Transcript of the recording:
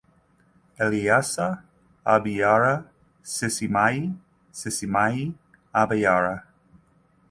eleyasa abyara sisimayi sisimayi abyara